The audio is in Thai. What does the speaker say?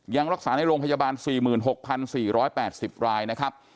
ยังรักษาในโรงพยาบาล๔๖๔๘๐รายนะครับ